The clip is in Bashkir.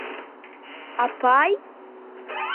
Апай?!